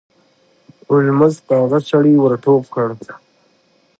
هولمز په هغه سړي ور ټوپ کړ.